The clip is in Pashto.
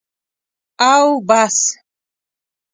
او بس.